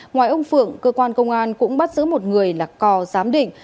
ngoài ông phượng cơ quan công an cũng bắt giữ một người là cò giám định